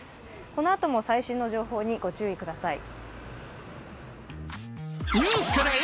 このあとも最新の情報にご注意ください。